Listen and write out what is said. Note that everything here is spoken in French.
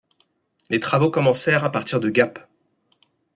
Les travaux commencèrent à partir de Gap.